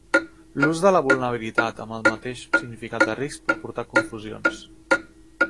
L'ús de la vulnerabilitat amb el mateix significat de risc pot portar a confusions.